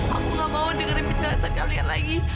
aku gak mau dengerin penjelasan kalian lagi